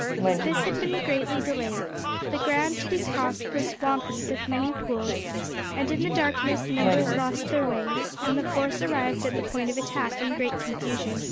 This had been greatly delayed. The ground to be crossed was swampy, with many pools and, in the darkness, numbers lost their way, and the force arrived at the point of attack in great confusion.